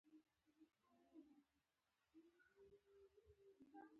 دا همان درې سوه درې بور ټوپکونه وو.